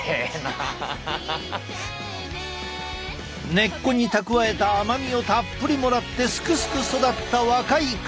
根っこに蓄えた甘みをたっぷりもらってすくすく育った若い茎。